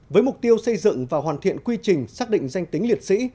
với mục tiêu xây dựng và hoàn thiện quy trình xác định danh tính liệt sĩ